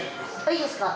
いいですか？